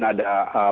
ada pak wagub